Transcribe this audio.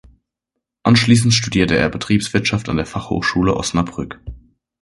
Anschließend studierte er Betriebswirtschaft an der Fachhochschule Osnabrück.